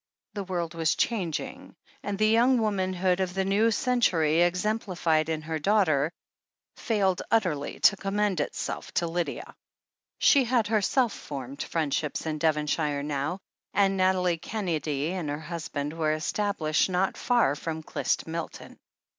The world was changing, and the young womanhood of the new century, exemplified in her daughter, failed utterly to commend itself to Lydia. She had herself formed friendships in Devonshire now, and Nathalie Kennedy and her husband were es tablished not far from Clyst Milton.